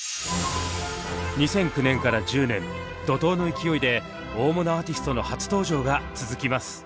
２００９年から１０年怒とうの勢いで大物アーティストの初登場が続きます。